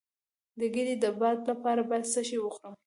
د ګیډې د باد لپاره باید څه شی وخورم؟